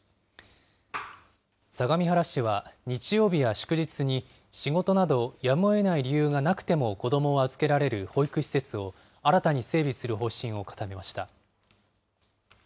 相模原市は日曜日や祝日に仕事などやむをえない理由がなくても子どもを預けられる保育施設を、新たに整備する方針を固めました。